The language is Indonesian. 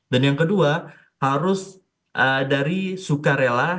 dan yang kedua harus dari sukarela